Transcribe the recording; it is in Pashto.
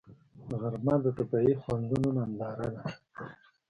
غرمه د طبیعي خوندونو ننداره ده